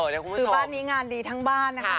ในคุณผู้ชมคือบ้านนี้งานดีทั้งบ้านนะคะ